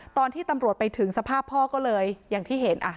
ตอนที่ตำรวจไปถึงสภาพพ่อก็เลยอย่างที่เห็น